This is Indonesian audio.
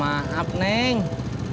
bang hubung fisher